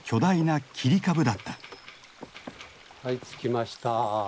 はい着きました。